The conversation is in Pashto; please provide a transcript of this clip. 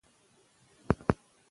که تیریدنه وکړو نو شخړه نه جوړیږي.